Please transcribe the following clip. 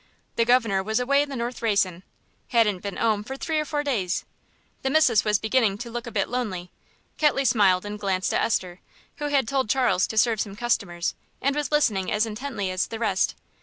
The governor was away in the north racin' hadn't been 'ome for three or four days; the missus was beginning to look a bit lonely." Ketley smiled and glanced at Esther, who had told Charles to serve some customers, and was listening as intently as the rest.